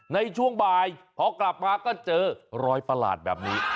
ในช่วงบ่ายพอกลับมาก็เจอรอยประหลาดแบบนี้